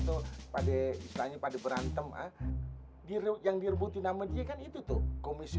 tuh pada istanya pada berantem ah dirut yang dirbutin amat jika itu tuh komisi